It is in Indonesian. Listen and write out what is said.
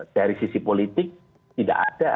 dari sisi politik tidak ada